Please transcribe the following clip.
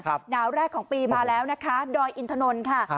หนาวแรกของปีมาแล้วนะคะดอยอินทนนท์ค่ะ